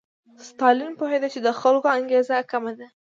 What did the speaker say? ستالین پوهېده چې د خلکو انګېزه کمه ده.